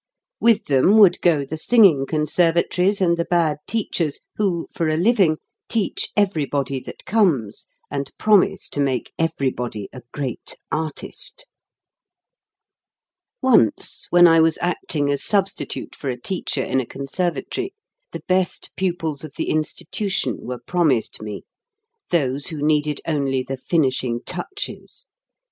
With them would go the singing conservatories and the bad teachers who, for a living, teach everybody that comes, and promise to make everybody a great artist. 9 10 HOW TO SING Once when I was acting as substitute for a teacher in a conservatory, the best pupils of the institution were promised me, those who needed only the finishing touches.